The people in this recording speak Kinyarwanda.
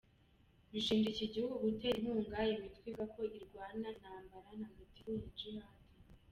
Bishinja iki gihugu gutera inkunga imitwe ivuga ko irwana intambara ntagatifu ya Jihad.